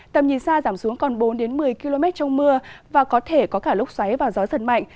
tầm nhìn xa giảm xuống còn bốn đến một mươi km trong mưa và có thể có cả lúc xoáy vào gió sật mạnh